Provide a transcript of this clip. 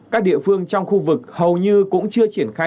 các địa phương trong khu vực hầu như cũng chưa triển khai